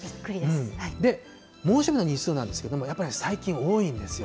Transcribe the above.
で、猛暑日の日数なんですけどね、やっぱり最近、多いんですよ。